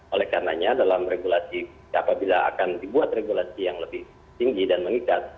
oleh karenanya dalam regulasi apabila akan dibuat regulasi yang lebih tinggi dan mengikat